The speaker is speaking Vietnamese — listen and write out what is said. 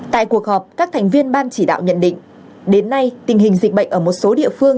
tại cuộc họp các thành viên ban chỉ đạo nhận định đến nay tình hình dịch bệnh ở một số địa phương